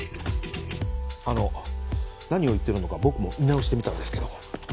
あの何を言ってるのか僕も見直してみたんですけど。